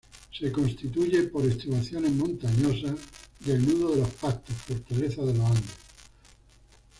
Se constituye por estribaciones montañosas del nudo de los pastos, fortaleza de los andes.